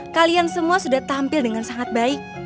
kalian semua sudah tampil dengan sangat baik